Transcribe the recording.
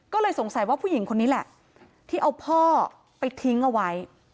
ก็เลยสงสัยว่าผู้หญิงคนนี้แหละที่เอาพ่อไปทิ้งเอาไว้